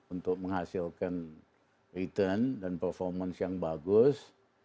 untuk menghasilkan return dan performance yang bagus